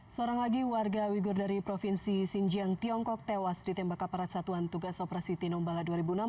seorang lagi warga uyghur dari provinsi xinjiang tiongkok tewas ditembak kapal ratsatuan tugas operasi tinombala dua ribu enam belas